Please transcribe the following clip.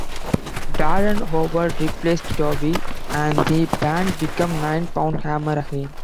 Darren Howard replaced Toby, and the band became Nine Pound Hammer again.